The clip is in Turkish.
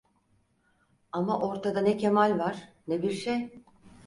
Ama ortada ne Kemal var, ne bir şey.